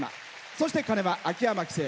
そして鐘は秋山気清。